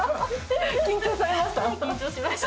緊張されました？